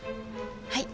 はい。